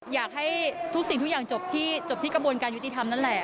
อยากให้ทุกสิ่งทุกอย่างจบที่จบที่กระบวนการยุติธรรมนั่นแหละ